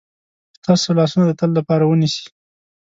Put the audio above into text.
ستاسو لاسونه د تل لپاره ونیسي.